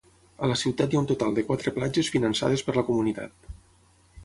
A la ciutat hi ha un total de quatre platges finançades per la comunitat.